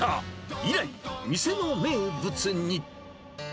以来、店の名物に。